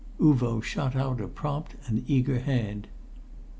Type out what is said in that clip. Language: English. Uvo shot out a prompt and eager hand.